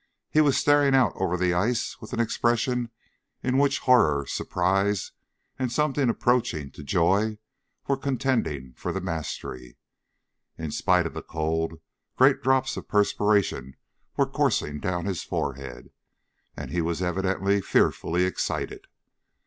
He was staring out over the ice with an expression in which horror, surprise, and something approaching to joy were contending for the mastery. In spite of the cold, great drops of perspiration were coursing down his forehead, and he was evidently fearfully excited.